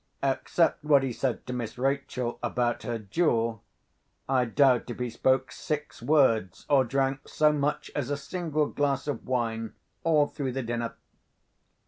Except what he said to Miss Rachel about her jewel, I doubt if he spoke six words or drank so much as a single glass of wine, all through the dinner.